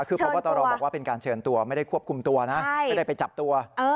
คือพบตรบอกว่าเป็นการเชิญตัวไม่ได้ควบคุมตัวนะไม่ได้ไปจับตัว